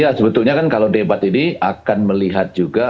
ya sebetulnya kan kalau debat ini akan melihat juga